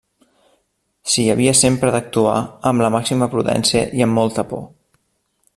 S'hi havia sempre d'actuar amb la màxima prudència i amb molta por.